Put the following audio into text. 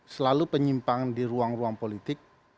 selalu penyimpangan di ruang ruang politik